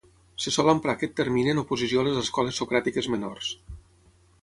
Se sol emprar aquest termini en oposició a les escoles socràtiques menors.